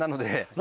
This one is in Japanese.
何？